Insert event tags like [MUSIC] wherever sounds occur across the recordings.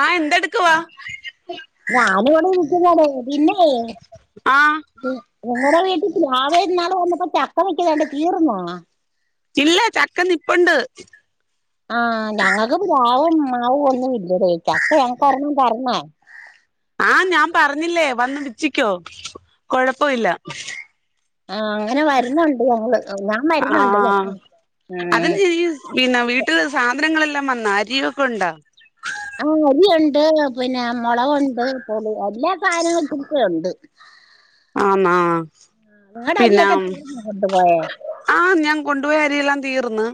ആഹ് എന്തെടുക്കുവാ ഞാൻ ഇവിടെ ഇരിക്കുന്നടേ പിന്നെ ആഹ് നിങ്ങടെ വീട്ടിൽ പ്ലാവേല് ഇന്നാളു വന്നപ്പോ ച ക്ക നിക്ക്ണ കണ്ടു തീർന്നോ ഇല്ല ചക്ക നിപ്പണ്ട് ആ ഞങ്ങൾക്ക് പ്ലാവും മാവും ഒന്നും ഇല്ലടെ ചക്ക ഞങ്ങക്ക് ഒരെണ്ണം തരണെ ആഹ് ഞാൻ പറഞ്ഞില്ലേ വന്ന് പിച്ചിക്കോ കൊഴപ്പഇല്ല ആ അങ്ങനെ വരുന്നുണ്ട് ഞങ്ങൾ ഞാൻ വരുന്നുണ്ട് ആഹ് അതിന് [UNINTELLIGIBLE] ഉം ല്ലാം വന്ന അരിയൊക്കെ ഉണ്ടാ ആ അരിയുണ്ട് പിന്നെ മൊളകൊണ്ട് പൊലിയാൻ എല്ലാ സാധനങ്ങളൾക്കു [UNINTELLIGIBLE] യൊണ്ട് ആന്നാ പിന്നെ അരിയൊക്കെ തീർന്നോ കൊണ്ടുപോയ ആ ഞാൻ കൊണ്ടുപോയ അരിയെല്ലാം തീർന്ന്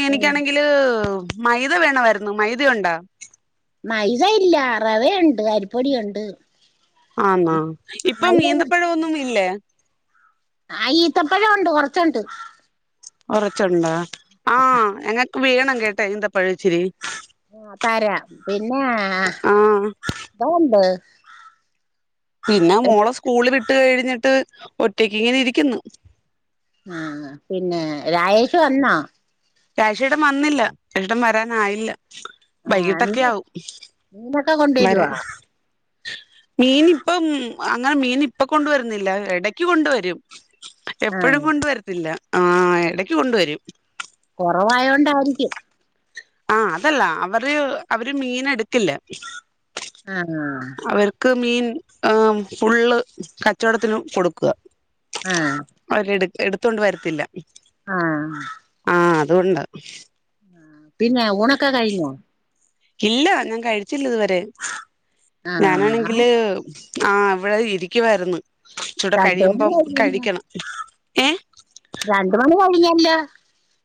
എനിക്കാണെങ്കില് മൈദ വേണമായിരുന്നു മൈദാഉണ്ടാ മൈദഇല്ല റവയുണ്ട് അരിപ്പൊടിയുണ്ട് ആന്നാ ഇപ്പം മൈദ ഈന്തപ്പഴമൊന്നും ഇല്ലേ ആ ഈത്തപ്പഴം ഒണ്ട് കൊറച്ചുണ്ട് കൊറച്ചുണ്ടാ ആ ഞങ്ങ വേണം കേട്ട ഈന്തപഴവിച്ചിരി ആ തരാം പിന്നെ ആഹ് എതോണ്ട് പിന്നെ മോളെ സ്കൂളി വിട്ട് ട്ട് കഴിഞ്ഞിട്ട് ഒറ്റക്ക് ഇങ്ങനെ ഇരിക്കുന്ന് ആ പിന്നെ രായേഷ് വന്നോ രായേഷേട്ടൻ വന്നില്ല ഷേട്ടൻ വരാനായില്ല ആഹ് മീ വൈകിട്ടൊക്കെ ആവും മീനൊക്കെ കൊണ്ടുവരുവോ വരാൻ മീൻ ഇപ്പം അങ്ങനെ മീൻ ഇപ്പൊ കൊണ്ടുവരുന്നില്ല എടക്ക് കൊണ്ടുവരും എപ്പോഴും ആഹ് കൊണ്ട് വരത്തില്ല ആ എടക്ക് കൊണ്ടുവരും കൊറവായ കൊണ്ടായിരിക്കും ആ അതല്ല അവര് അവര് മീന് എടുക്കില്ല ആഹ് അവർക്ക് മീൻ ആ ഫുള്ള് കച്ചവടത്തിന് കൊടുക്കുകാ ആ എടുത്തോണ്ട് വരത്തില്ല ആ ആഹ് അതുകൊണ്ടാ പിന്നെ ഊണക്ക കഴിഞ്ഞോ ഇല്ല ഞാൻ കഴിച്ചില്ലിതുവരെ ആഹ് ഞാനാണെങ്കില് ആ ഇവിടെ ഇരിക്കുവാരുന്നു ഇച്ചൂട രണ്ട് മണി കഴിയുമ്പം കഴിഞ്ഞല്ലോ കഴിക്കണം ഏ രണ്ട് മണി കഴിഞ്ഞല്ലോ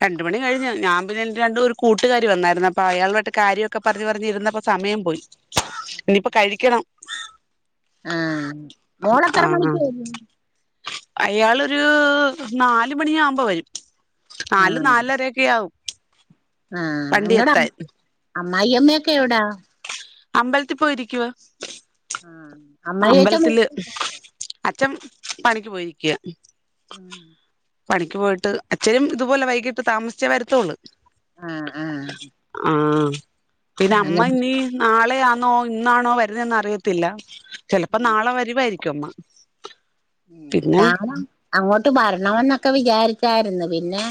രണ്ട് മണി കഴിഞ് ഞാൻ പിന്നെ എന്റെ രണ്ട് ഒരു കൂട്ടുകാരി വന്നാരുന്നു. അപ്പോ അയാളുമായിട്ട് കാര്യൊക്കെ പറഞ്ഞിപറഞ്ഞിരുന്നപ്പൊ സമയം പോയി ഇനി ഇപ്പം കഴിക്കണം ആ മോൾ എത്ര മണിക്ക് വെരും അയാൾ ഒരു നാല് മണിയാവുമ്പോ വരും നാല് നാലരൊക്കെ ആകും ആം എങ്ങട അമ്മായിഅമ്മക്കെ എവിടാ അമ്പലത്തിൽ പോയിരിക്കുവ ആഹ് അമ്മായിയച്ചൻ അമ്പലത്തില് അച്ഛൻ പണിക്ക് പോയിരിക്കുകയാ ഉ [INAUDIBLE] പണിക്ക് പോയിട്ട്അച്ഛനും ഇതുപോലെ വൈകിട്ട് താമസിച്ചേ വരത്തൊള്ള് ആഹ ആഹ ആഹ് പിന്നെ അമ്മ ഇനീ നാ ളെ ആണോ ഇന്നാണോ വരുന്നെന്ന് അറിയത്തില്ല ചിലപ്പോ നാളെ വരി [UNINTELLIGIBLE] യ്ക്കുമ ഉ ഞാൻ അങ്ങോട്ട് വരണംന്ന ക്കെ വിചാരിച്ചാരുന്നു പിന്നെ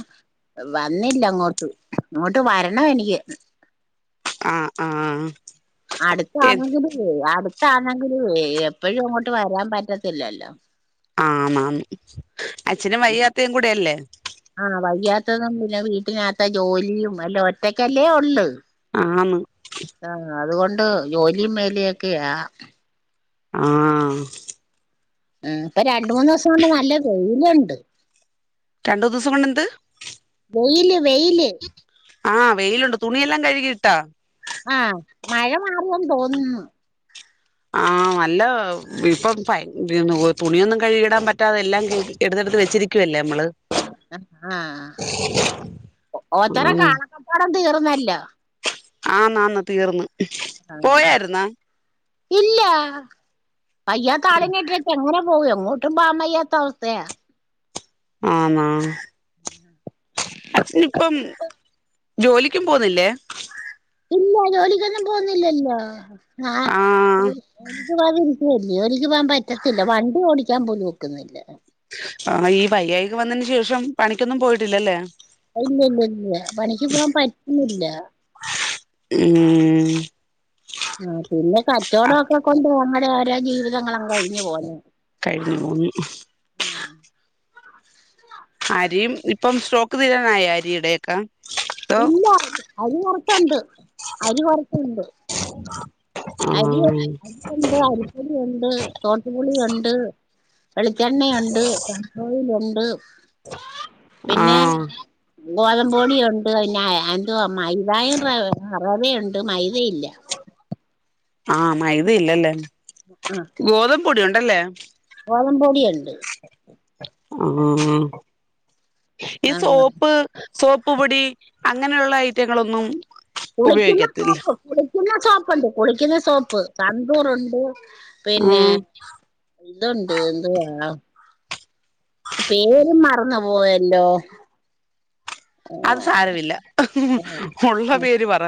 വന്നില്ലങ്ങോട്ട്. ങ്ങോട്ട് വരണം എനിക്ക് ആഹ ആഹ അടുത്താണെങ്കില് ടുത്തണെങ്കിലുവെ എപ്പഴും അങ്ങോട്ട് വരാൻ പറ്റത്തില്ലല്ലോ ആന്നാന്ന് അച്ഛനും വയ്യാത്തയും കൂടെല്ലേ ആഹ് വയ്യാത്തതും പിന്നെ വീട്ടിനകത്ത ജോലിയും അല്ല ഒറ്റക്കല്ലേ ഉള്ള് ആണ് ആഹ അതുകൊണ്ട് ജോലിം വേലൊക്കെയ ആ ആഹ് ഉ ഇപ്പ രണ്ട് മൂന്ന് ദിവസം കൊണ്ട് നല്ല വെയിലുണ്ട് രണ്ടു ദിവസം കൊണ്ട് എന്ത് വെയില് വെയില് ആഹ് വെയിലുണ്ട് തുണിയെല്ലാം കഴുകി ഇട്ടാ ആഹ മഴ മാറിയെന്ന് തോന്നുന്നു ആഹ നല്ല ഇപ്പം തുണിയൊന്നും കഴുകിടാൻ പറ്റാതെ എല്ലാം എടുത്തെടുത്ത് വെച്ചിരിക്കുവല്ലേ നമ്മള് ആ ഓച്ചര ആഹ് കാണക്കപ്പാടം തീർന്ന ന്നല്ലോ ആന്നാന്ന് തീർന്ന് ആ പോയായിരുന്നാ ഇല്ല വയ്യാത്ത ആളേം കേട്ട് എങ്ങനെ പോ എങ്ങോട്ടും പാമയ്യാത്ത അവസ്ഥയാ ആണോ അച്ഛന് ഇപ്പം ജോലിക്കും പോവുന്നില്ലേ ഇല്ല ജോലിക്കൊന്നും പോവുന്നില്ലല്ലോ ആഹ് എ ജോലിക്ക് പോകാൻ പറ്റത്തില്ല വണ്ടി ഓടിക്കാൻ പോലും ഒക്കുന്നില്ല ആ ഈ വയ്യായിക വന്നതിന് ശേഷം പണിക്കൊന്നും പോയിട്ടില്ലല്ലേ ഇല്ലല്ല ഇല്ല പണിക്ക് പോവാൻ പറ്റുന്നില്ല ശ് ആ പിന്നെ കച്ചോടൊക്കെ കൊണ്ട് പോ ഓരോ ജീവിതങ്ങളും കഴിഞ്ഞ് പോന്ന് കഴിഞ്ഞ മൂന്ന് ആഹ് അരിയും ഇപ്പം സ്റ്റോക്ക് തീരാനായ അരിയുടെയൊക്കെ അതോ ഇല്ല അരി കൊറച്ചുണ്ട് അരി കൊറച്ചുണ്ട് അരി ആഹ് അരിയുണ്ട് അരിപ്പൊടിയുണ്ട് ഗോതമ്പുപൊടിയുണ്ട് വെളിച്ചെണ്ണയുണ്ട് പാമോയിലുണ്ട് പിന്നെ ആഹ് ഗോതമ്പോടിയൊണ്ട് പിന്നേ എന്തുവാ മൈ റവയുണ്ട് മൈത ഉണ്ട് യില്ല ആഹ മൈദ ഇല്ലല്ലേ ഗോതമ്പ് പൊടി ഉണ്ട് ഉണ്ടല്ലേ ഗോതമ്പോടി ഉണ്ട് ആഹ് ഇ ആ സോപ്പ് സോപ്പ്പൊടി അങ്ങനെള്ള ഐറ്റങ്ങളൊന്നും കുളിക്കുന്ന ഉപയോഗിക്കത്തില്ല സോപ്പ് കുളിക്കുന്ന സോപ്പണ്ട് കുളിക്കുന്ന സോപ്പ് സന്തൂർ ഉണ്ട് പിന്നെ ആഹ് ഇതുണ്ട് എന്തുവാ പേരും മറന്ന് പോയല്ലോ അത് സാരമില്ല ഉള്ള പേര് പറ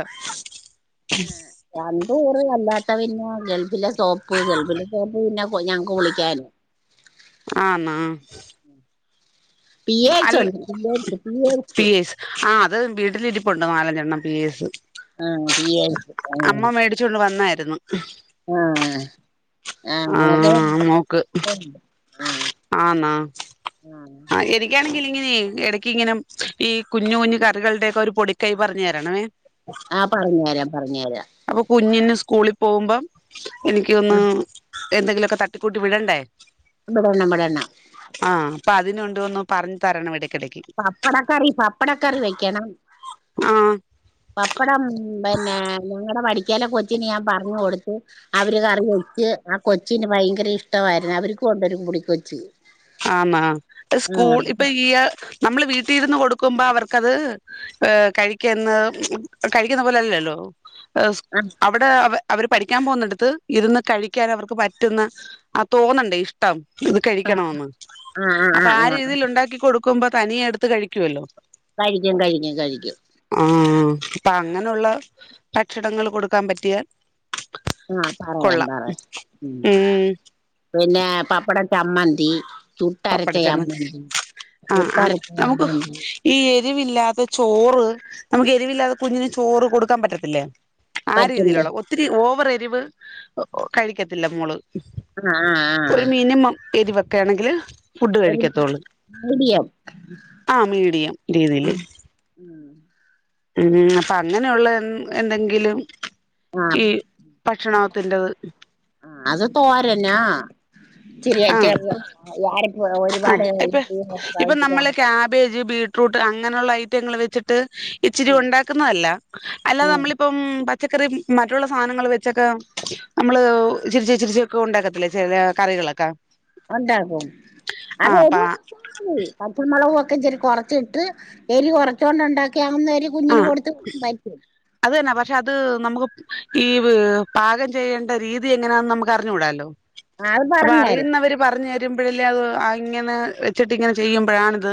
രണ്ടുപേരും വല്ലാ ത്തപിന്നെ ഗൾഫിലെ- സോപ്പ് ഗൾഫില [UNINTELLIGIBLE] പ്പ് ഞങ്ങക്ക് കുളിക്കാന് ആന്നോ പിയേഴ്സ് അല്ല ഉണ്ട് പിയേഴ്സ് പിയേഴ്സ് പിയേസ് ആ അത് വീട്ടിലിരിപൊൺ ണ്ട് നാലഞ്ചെണ്ണം പീയേസ്- ആഹ് പിയേഴ്സ് അമ്മ മേടിച്ചൊണ്ട് വന്നായിരുന്നു ആഹ് ആ നോക്ക് ആ ആന്നോ ആ എനിക്കാണെങ്കിൽ പിന്നെ എടക്കിങ്ങനെ ഈ കുഞ് കുഞ് കറികളുടെയൊക്കെ ഒരു പൊടിക്കൈ പറഞ്ഞു തരണേ ആ പറഞ്ഞു തരാം പറഞ്ഞു തരാം അപ്പൊ കുഞ്ഞിന് സ്കൂളിൽ പോകുമ്പം എനിക്ക ഒന്ന് എന്തെങ്കിലൊക്കെ തട്ടിക്കൂട്ടി വിടണ്ടേ ആഹ് [UNINTELLIGIBLE] അപ്പൊ അതിനുകൊണ്ട് ഒന്ന് പറഞ്ഞു തരണമെടേ- പപ്പടക്കറി പപ്പടക്കറി വെക്കണം ആഹ് പപ്പടം പിന്നെ ഞങ്ങളുടെ വടിക്ക ക്കേല കൊച്ചിന് ഞാൻ പറഞ്ഞു കൊടുത്ത് അവര് കറി വെച്ച് ആ കൊച്ചിന് ഭയങ്കര ഇഷ്ടമായിരുന്നു അവർക്ക് കൊണ്ടൊരു പൊടി കൊച്ച് - ആന്നാ സ്കൂൾ ഇപ്പൊ ഈ നമ്മള് വീട്ടിലിരുന്ന് കൊടുക്കുമ്പോ അവർക്കത് കഴിക്കുന്ന കഴിക്കുന്ന പോലെല്ലല്ലോ സ് ആഹ് അവിടെ അവ അവര് പഠിക്കാൻ പോകുന്നിടത്ത് ഇരുന്ന് കഴിക്കാൻ അവർക്ക് പറ്റുന്ന ആ തോന്നണ്ടേ ഇഷ്ടം ഇത് കഴിക്കണോന്ന്- ആഹ് അപ്പൊ ആ ആഹ് ആഹ് രീതിയിൽ ഉണ്ടാക്കിക്കൊടു ക്കുമ്പോ തനിയ എടുത്ത് കഴിക്കുവല്ലോ കഴിക്കും കഴിക്കും കഴിക്കും. അപ്പ അങ്ങനുള്ള ഭക്ഷണങ്ങള് കൊടുക്കാൻ പറ്റിയാൽ ആഹ് പറയാം കൊള്ളാം പറയാം. മ് ഉം പിന്നെ പപ്പട ചമ്മന്തി ചുട്ടരച്ച പപ്പടച്ചമ്മന്തി ചമ്മന്തി ആഹ് അഹ് പുട്ടരച്ച നമുക്ക് ചമ്മന്തി ഈ രിവില്ലാത്ത ചോറ് നമുക്ക് എരിവില്ലാതെ കുഞ്ഞിന് ചോറ് കൊടുക്കാ പറ്റത്തില്ലേ ആഹ് പറ്റില്ലേ രീതിയിലുള്ള ഒത്തിരി ഓവർ രിവ് കഴിക്കത്തില്ല മോള് ആഹ് ആഹ് ഒരു ആഹ് മിനിമം എരിവെക്ക ഒക്കെ ആണെങ്കിൽ ഒരു മീഡിയം ആ മീഡിയം രീതിയില് ഉം ഉം അപ്പൊ അങ്ങനെയുള്ള എ എന്തെങ്കിലും ആഹ് ഈ ഭക്ഷണത്തിന്റെത് അത് തോരന്നാ ശെരിയാ [UNINTELLIGIBLE] കേറ്ന്ന് യാ ആരെപ്പാ ഒരു അഹ് ഇപ്പ ഇപ്പെ നമ്മള് കാബേജ് ബീറ്റ് ബീട്രൂട്ട് അങ്ങനൊള്ള ഐറ്റങ്ങൾ വെച്ചിട്ട് ഇച്ചിരി ഉണ്ടാക്കുന്നതല്ല അല്ലാതെ ഉം നമ്മളിപ്പം പച്ചക്കറി മറ്റ്ള്ള സാനങ്ങൾ വെച്ചൊക്കെ നമ്മള് ഇച്ചിരിച്ചെ ഇച്ചിരിച്ചേക്കെ ഉണ്ടാക്കത്തില്ലേ ചെല കറികളൊക്കെ ഒണ്ടാക്കും ആ അതേ അപ്പ [UNINTELLIGIBLE] പച്ച മളെക് പ്പിത്തിരി കൊറച്ചിട്ട് എരി കൊറച്ചോണ്ട് ഉണ്ടാക്കിയാണെന്നേ ആ അത് തന്നെ പക്ഷെ അത് നമുക്ക് ഈ പാകം ചെയ്യേണ്ട രീതി എങ്ങനാന്ന് നമുക്ക് അറിഞ്ഞുകൂടാലോ ആ അത് പറഞ്ഞര് പോഴല്ലേ അത് ആ ഇങ്ങനെ വെച്ചിട്ട് ഇങ്ങനെ ചെയ്യുമ്പോഴാണ ഇത്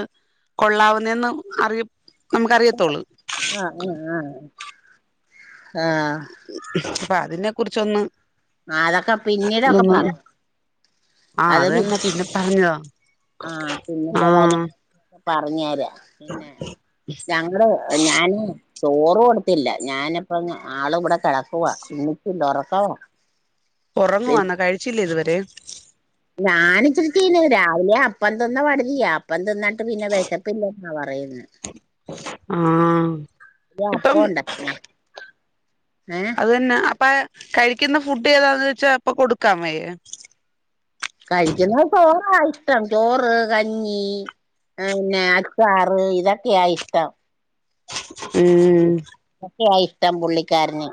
കൊള്ളാവുന്ന എന്ന് അറ നമുക്ക് അറിയത്തോള്ളൂ ആ ആ ആ ആ പ്പ അതിനെ കുറിച്ച് ഒന്ന് ആ അതൊക്കെ പിന്നീടൊക്കെ പറഞ്ഞു ആ അത് പി തന്നെ പിന്നെ പറഞ്ഞതാ ആ ആ പിന്നീട് അവെ പറഞ്ഞു തരാ പിന്നെ ഞങ്ങള് ഞാന് ചോറു കൊടുത്തില്ല ഞാന് ഇപ്പ ആള് ഇവിടെ കിടക്കുവാ എണീറ്റില്ല ഒറക്കാ ക്കാ [UNINTELLIGIBLE] ഉറങ്ങുവാന്നാ കഴിച്ചില്ലേ ഇത് വരെ [UNINTELLIGIBLE] ഞാന് ഇച്ചിരി ചീനി തരാം, രാവിലെ അപ്പം തിന്ന് പടുതിയി അപ്പം തിന്നാല്. അപ്പൊ പിന്നെ വിശപ്പില്ല. ആഹ് പറയുന്നു ആഹ് ഇപ്പം. അപ്പം ഉണ്ടായിരുന്നു ഏഹ് അത് തന്നെ അപ്പ കഴി ക്കുന്ന ഫുഡ് ഏതാന്ന് വെച്ചാ അപ്പൊ കൊടുക്കാൻ വയ്യെ കഴിക്കുന്നത് ചോറാ ഇഷ്ടം ചോറ് കഞ്ഞി പിന്നെ അച്ചാറ് ഇതൊക്കെയാ ഇഷ്ടം ഉം അതൊക്കെയാ ഇഷ്‌ടം പുള്ളിക്ക് പിള്ളിക്കാരന്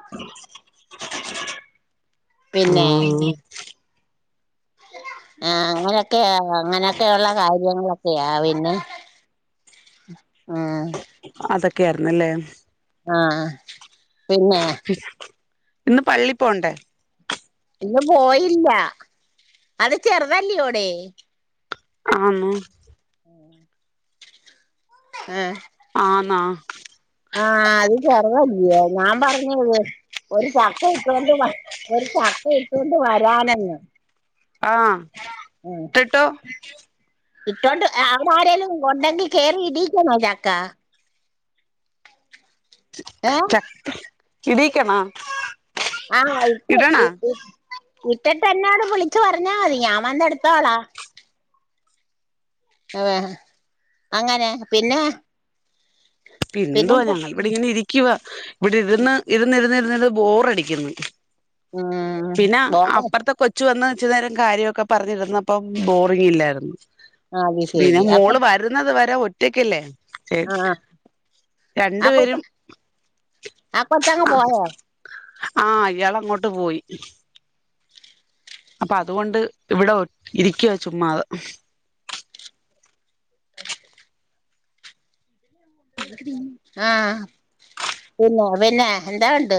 ആഹ് ആഹ് അങ്ങനൊക്കെയ അങ്ങനൊക്കെയുള്ള കാര്യങ്ങളൊക്കെയാ പിന്നെ ആഹ് ഒക്കെയായിരുന്നല്ലേ ആഹ് പിന്നെ ഇന്ന് പള്ളി പോണ്ടേ ഇന്ന് പോയില്ല അത് ചെറുതല്ലിയൊടെ ആന്നോ ഏഹ് ആന്നാ ആഹ് അത് ചെറുതല്ലിയോ ഞാൻ പറഞ്ഞത് ഒരു ചക്ക ഇട്ടോണ്ട് വ ഒരു ചക്ക ഇട്ടൊണ്ട് വരാമെന്ന് ആ ഉം ഇട്ടിട്ടോ ഇട്ടൊണ്ട് അവിടെ ആരേലും ഒണ്ടെങ്കിൽ കേറി ഇടീക്കണോ ചക്ക ഏ ച ഇടീക്കണ ആഹ് ഇപ്പ ഇടണോ ഇട്ടിട്ട് എന്നോട് വിളിച്ചു പറഞ്ഞാ മതി ഞാൻ വന്ന് എടുത്തോളാ ഏഹ് അങ്ങനെ പിന്നെ പിന്ത്വാ പിന്നെന്ത് ഞങ്ങൾ ഇവടെ ഇങ്ങനെ ഇരിക്കുവ ഇവിടെ ഇരുന്ന ഇരുന്ന ഇരുന്ന ഇരുന്ന് ബോറടിക്ക്ന്ന് ഉം പിന്നെ ബോറ് അപ്പുറ്ത്തെ കൊച്ച് വന്ന് റ്ച്ചു നേരം കാര്യൊക്കെ പറഞ്ഞിരുന്നപ്പം ബോറിംഗ് ഇല്ലായിരുന്നു അത് പിന്നെ ശരി ആ കൊ മോള് വരുന്നത് വരെ ഒറ്റ ഒറ്റയ്ക്കല്ലേ ചേച്ചി ആഹ് ആ കൊ ആ കൊച്ചങ്ങ് ആ പോയോ ആഹ് ഇയാള് അങ്ങോട്ട് പോയി അപ്പൊ അതുകൊണ്ട് ഇവിടെ ഒ ഇരിക്കുവ ചുമ്മാ ആ പിന്നെ പിന്നെ എന്താ ഉണ്ട്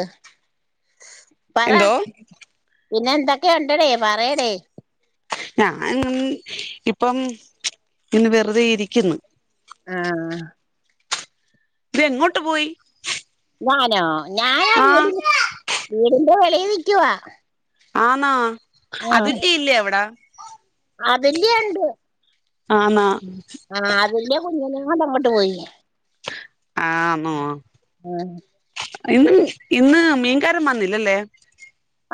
പറാ എന്തോ പിന്നെ എന്തൊക്കെ ഉണ്ടടി പറയടി ഞാൻ ഇപ്പം ഇന്ന് വെറുതെ ഇരിക്കുന്നു ആ ത് എങ്ങോട്ട് പോയി ഞാനോ ഞാനാ ആ വീടി വീടിന്റെ വെളിയി രിക്കുവാ ആണോ അതിർത്തി ഇല്ല അവിടാ അ വല്യണ്ട് ആമാ ആഹ് അതില് കുഞ്ഞിനിം കൊണ്ടാ ണ്ട് പോയി ആ നോ ഇന്ന് ഇന്ന് മീൻകാരം വന്നില്ലല്ലേ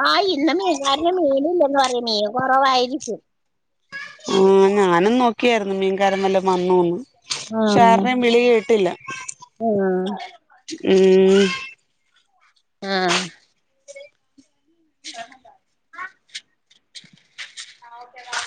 ആഹ് ഇന്ന് മീൻകാരൻ മീനില്ലെന്ന് പറഞ്ഞ് മീൻ കുറവായിരിക്കും ആ ഞാനും നോക്കിയായിരുന്നു മീൻകാരം വല്ലോം വന്നൂന്ന് പക്ഷെ ആഹ് ആരുടെയും വിളി കേട്ടില്ല ആഹ് ഉം ആ ആ ഓക്കെ ടാ